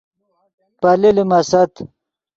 پیلے لیمیست